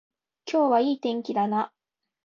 今日はいい天気だな